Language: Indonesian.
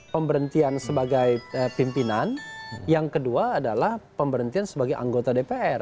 pemberhentian sebagai pimpinan yang kedua adalah pemberhentian sebagai anggota dpr